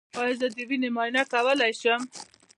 ایا زه د وینې معاینه کولی شم؟